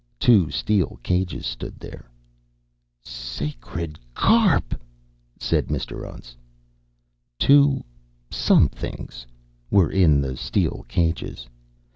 Two steel cages stood there. "Sacred carp!" said Mr. Untz. Two somethings were in the steel cages.